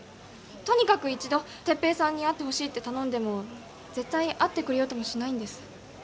とにかく一度哲平さんに会ってほしいって頼んでも絶対会ってくれようともしないんです。